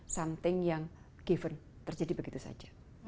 something yang given terjadi begitu saja